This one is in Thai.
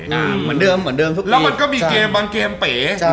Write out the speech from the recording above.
แล้วมันก็มีเคมป๋อย